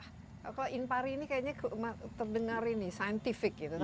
kalau impari ini kayaknya terdengar ini scientific gitu